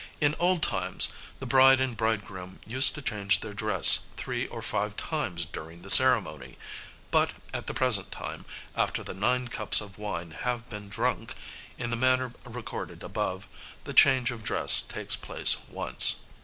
In old times the bride and bridegroom used to change their dress three or five times during the ceremony; but at the present time, after the nine cups of wine have been drunk, in the manner recorded above, the change of dress takes place once.